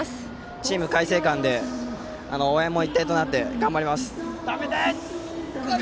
チーム開誠館で応援も一体となって頑張ります。